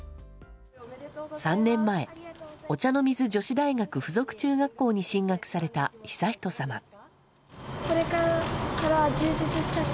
３年前お茶の水女子大学附属中学校に進学された悠仁さま。